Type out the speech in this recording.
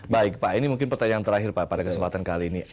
baik pak ini mungkin pertanyaan terakhir pak pada kesempatan kali ini